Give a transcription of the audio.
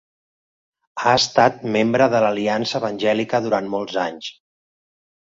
Ha estat membre de l'Aliança Evangèlica durant molts anys.